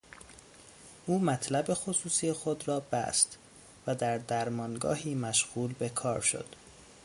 او مطب خصوصی خود را بست و در درمانگاهی مشغول به کار شد.